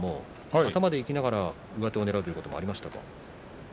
頭でいきながら上手を取るというのはありましたか？